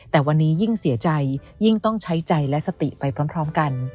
แต่วันนี้ยิ่งเสียใจยิ่งต้องใช้ใจและสติไปพร้อมกัน